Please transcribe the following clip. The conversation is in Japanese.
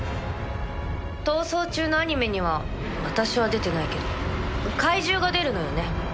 『逃走中』のアニメには私は出てないけど怪獣が出るのよね。